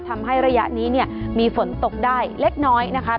ทำให้ระยะนี้เนี่ยมีฝนตกได้เล็กน้อยนะคะ